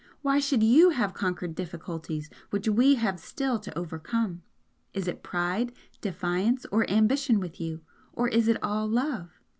Why should you have conquered difficulties which we have still to overcome? Is it pride, defiance, or ambition with you? or is it all love?"